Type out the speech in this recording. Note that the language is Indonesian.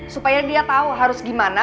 supaya dia tahu harus gimana